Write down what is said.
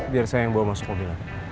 biar saya yang bawa masuk mobil